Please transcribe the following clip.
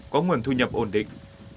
có nguồn thu nhập ổn định